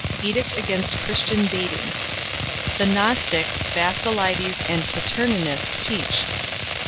Edict against Christian baiting. The Gnostics Basilides and Saturninus teach.